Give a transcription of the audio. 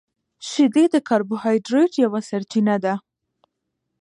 • شیدې د کاربوهایډریټ یوه سرچینه ده.